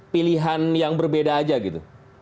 pilihan yang berbeda aja gitu